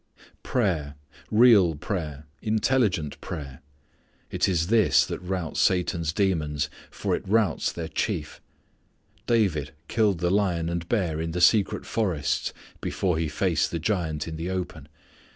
Prayer, real prayer, intelligent prayer, it is this that routs Satan's demons, for it routs their chief. David killed the lion and bear in the secret forests before he faced the giant in the open.